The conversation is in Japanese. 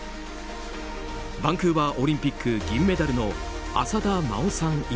バンクーバーオリンピック銀メダルの浅田真央さん